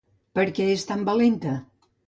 Per què és tan valenta?